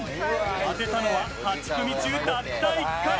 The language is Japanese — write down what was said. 当てたのは８組中たった１回。